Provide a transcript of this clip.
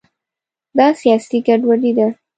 دا سیاسي ګډوډي ده.